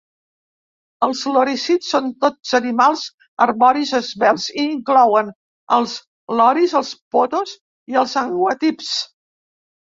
Els lorísids són tots animals arboris esvelts i inclouen els loris, els potos i els anguatibs.